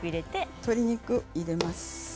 鶏肉を入れます。